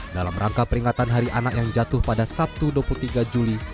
dalam rangka peringatan hari anak yang jatuh pada sabtu dua puluh tiga juli